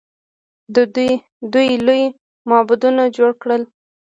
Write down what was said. دوی لوی معبدونه جوړ کړل.